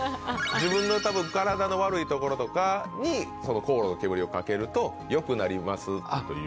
自分の体の悪い所とかに香炉の煙をかけると良くなりますという。